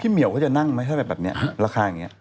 เหมียวเขาจะนั่งไหมถ้าแบบแบบนี้ราคาอย่างนี้